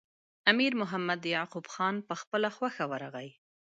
امیر محمد یعقوب خان په خپله خوښه ورغی.